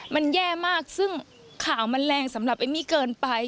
มันแย่มากซึ่งข่าวมันแรงสำหรับเอมมี่เกินไป